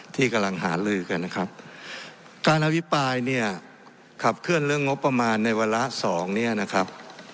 ที่กำลังหาลือกันนะครับการอภิปรายเนี่ยขับเคลื่อนเรื่องงบประมาณในวาระสองเนี่ยนะครับ